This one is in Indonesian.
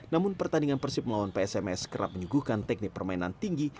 namun pertandingan persib melawan psms kerap menyuguhkan teknik permainan tinggi